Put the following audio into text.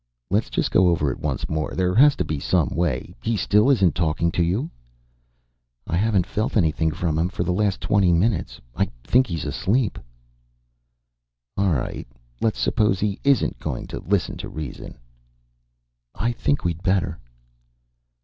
"Let's just go over it once more. There has to be some way. He still isn't talking to you?" "I haven't felt anything from him for the last twenty minutes. I think he's asleep." "All right, let's suppose he isn't going to listen to reason " "I think we'd better."